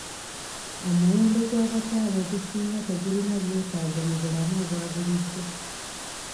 Omuwendo gw'abakyala ogusinga tegulina byetaago mu bulamu obwa bulijjo.